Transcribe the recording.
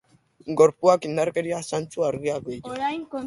Gorpuak indarkeria zantzu argiak ditu.